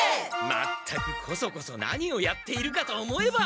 全くコソコソ何をやっているかと思えば！